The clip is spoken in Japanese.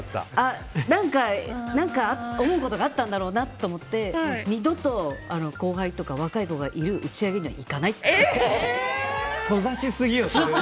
何か思うことがあったんだろうなと思って二度と後輩とか若い子がいる打ち上げには閉ざしすぎよ。